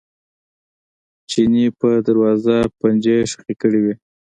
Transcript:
چیني په دروازه پنجې ښخې کړې وې.